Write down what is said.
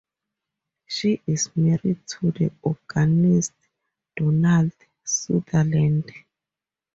She is married to the organist Donald Sutherland.